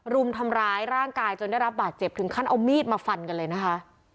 รุมทำร้ายร่างกายจนได้รับบาดเจ็บถึงขั้นเอามีดมาฟันกันเลยนะคะ